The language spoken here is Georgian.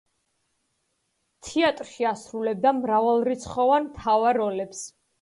თეატრში ასრულებდა მრავალრიცხოვან მთავარ როლებს.